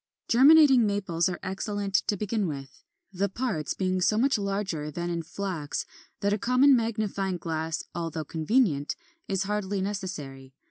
19. =Germinating Maples= are excellent to begin with, the parts being so much larger than in Flax that a common magnifying glass, although convenient, is hardly necessary.